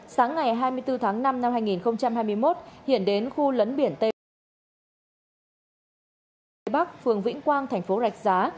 sáng ngày hai mươi bốn tháng năm năm hai nghìn hai mươi một hiển đến khu lấn biển tây bắc phía bắc phường vĩnh quang thành phố rạch giá